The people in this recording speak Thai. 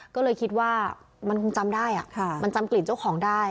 ก็เลยคิดว่ามันคงจำได้มันจำกลิ่นเจ้าของได้